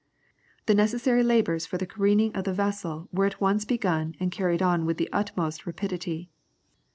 The necessary labours for the careening of the vessel were at once begun and carried on with the utmost rapidity.